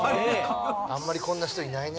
あんまりこんな人いないね。